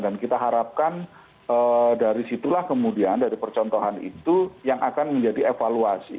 dan kita harapkan dari situlah kemudian dari percontohan itu yang akan menjadi evaluasi